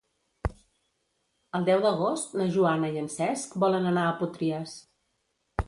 El deu d'agost na Joana i en Cesc volen anar a Potries.